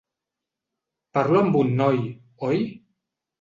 Parlo amb un noi, oi?